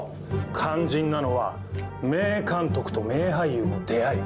肝心なのは名監督と名俳優の出会い。